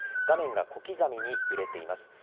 画面が小刻みに揺れています。